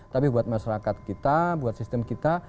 tapi buat masyarakat kita buat sistem kita